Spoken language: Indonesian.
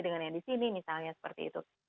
dengan yang di sini misalnya seperti itu